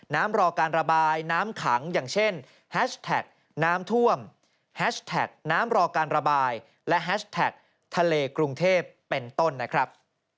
รอการระบายน้ำขังอย่างเช่นแฮชแท็กน้ำท่วมแฮชแท็กน้ำรอการระบายและแฮชแท็กทะเลกรุงเทพเป็นต้นนะครับ